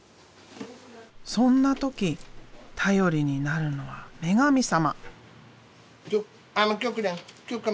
そんな時頼りになるのは女神様。